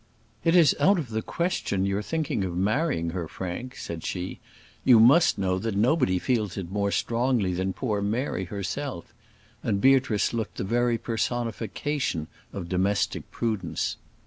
"It is out of the question your thinking of marrying her, Frank," said she. "You must know that nobody feels it more strongly than poor Mary herself;" and Beatrice looked the very personification of domestic prudence.